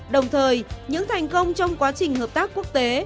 đồng thời những thành công trong quá trình hợp tác quốc tế